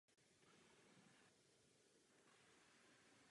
Když jsem byla v Ženevě, se skupinou jsem mluvila.